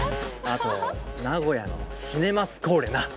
あと名古屋のシネマスコーレな。